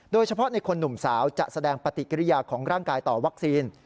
โดยเฉพาะในคนหนุ่มสาวจะแสดงปฏิกิริยาของร่างกายต่อวัคซีน